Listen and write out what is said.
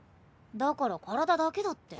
だから体だけだって。